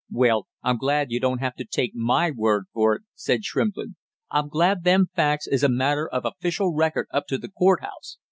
"Well, I'm glad you don't have to take my word for it," said Shrimplin. "I'm glad them facts is a matter of official record up to the court house.